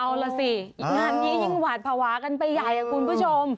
งานนี้ยิ่งหวาดภาวะกันไปใหญ่คุณผู้ชม